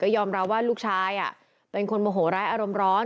ยอมรับว่าลูกชายเป็นคนโมโหร้ายอารมณ์ร้อน